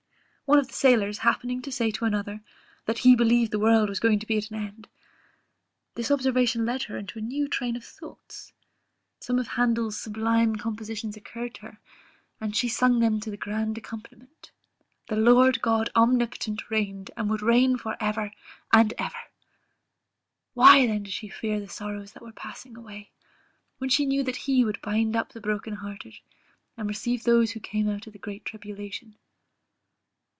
One of the sailors, happening to say to another, "that he believed the world was going to be at an end;" this observation led her into a new train of thoughts: some of Handel's sublime compositions occurred to her, and she sung them to the grand accompaniment. The Lord God Omnipotent reigned, and would reign for ever, and ever! Why then did she fear the sorrows that were passing away, when she knew that He would bind up the broken hearted, and receive those who came out of great tribulation.